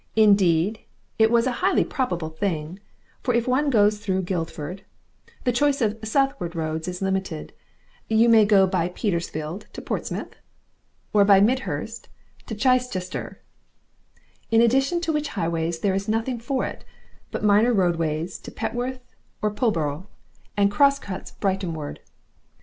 Indeed, it was a highly probable thing; for if one goes through Guildford, the choice of southward roads is limited; you may go by Petersfield to Portsmouth, or by Midhurst to Chichester, in addition to which highways there is nothing for it but minor roadways to Petworth or Pulborough, and cross cuts Brightonward.